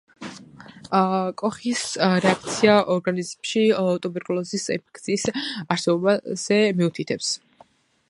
კოხის რეაქცია ორგანიზმში ტუბერკულოზური ინფექციის არსებობაზე მიუთითებს.